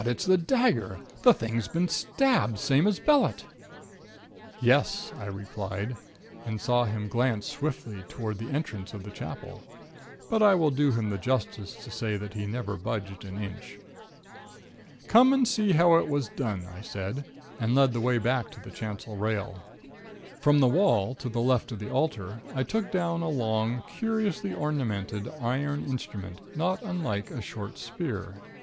It's the dagger! The thing's been stabbed, same as Bellett!" "Yes," I replied, and saw him glance swiftly toward the entrance of the Chapel. But I will do him the justice to say that he never budged an inch. "Come and see how it was done," I said, and led the way back to the chancel rail. From the wall to the left of the altar I took down a long, curiously ornamented, iron instrument, not unlike a short spear.